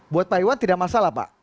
buat pak iwan tidak masalah pak